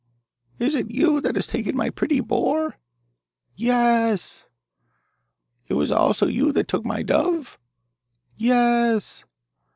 'Is it you that has taken my pretty boar?' 'Ye e s!' 'It was also you that took my dove?' 'Ye e s!